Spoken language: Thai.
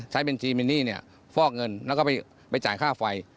บัญชีมินนี่เนี่ยฟอกเงินแล้วก็ไปจ่ายค่าไฟ